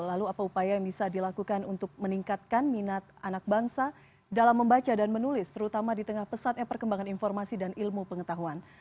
lalu apa upaya yang bisa dilakukan untuk meningkatkan minat anak bangsa dalam membaca dan menulis terutama di tengah pesatnya perkembangan informasi dan ilmu pengetahuan